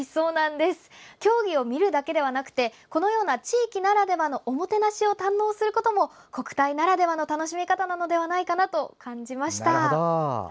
競技を見るだけではなくてこのような地域のおもてなしを堪能することも国体ならではの楽しみ方ではないかなと感じました。